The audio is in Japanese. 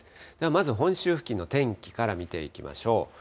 まず本州付近の天気から見ていきましょう。